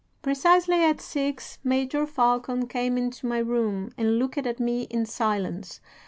"'Precisely at six Major Falcon came into my room, and looked at me in silence.